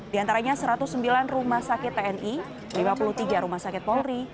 di antaranya satu ratus sembilan rumah sakit tni lima puluh tiga rumah sakit polri